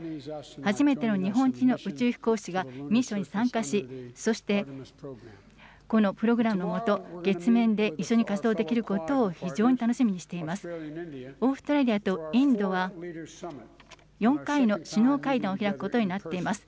初めての日本人宇宙飛行士がミッションに参加し、そして、このプログラムの下、月面で一緒に活動できることを非常に楽しみにしています。